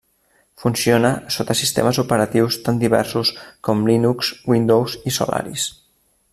Funciona sota sistemes operatius tan diversos com Linux, Windows i Solaris.